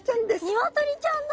ニワトリちゃんだ。